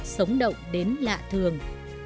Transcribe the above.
sống động đến lạ thường